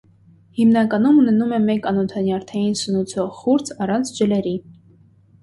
Հիմնականում ունենում է մեկ անոթանյարդային սնուցող խուրձ՝ առանց ջլերի։